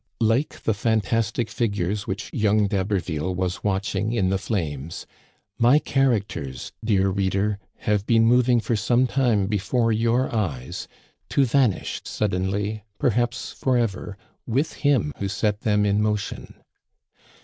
Like the fantastic figures which young D'Haberville was watching in the flames, my characters, dear reader, have been moving for some time before your eyes, to vanish suddenly, perhaps forever, with him who set them in motion.